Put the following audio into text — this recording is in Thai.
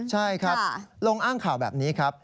ใช่ครับลงอ้างข่าวแบบนี้ครับ